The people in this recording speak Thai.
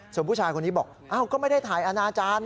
ส่วนผู้ชายคนนี้บอกอ้าวก็ไม่ได้ถ่ายอนาจารย์